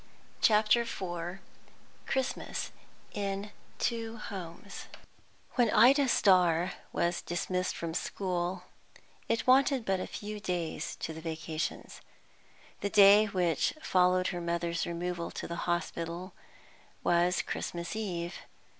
CHAPTER IV CHRISTMAS IN TWO HOMES When Ida Starr was dismissed from school it wanted but a few days to the vacations. The day which followed her mother's removal to the hospital was Christmas Eve.